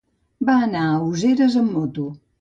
Va anar a les Useres amb moto.